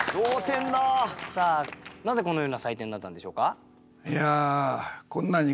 なぜこのような採点になったんでしょうか？